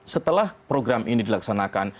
setelah program ini dilaksanakan